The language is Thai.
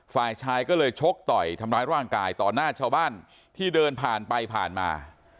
ฝ่ายชายก็เลยชกต่อยทำร้ายร่างกายต่อหน้าชาวบ้านที่เดินผ่านไปผ่านมา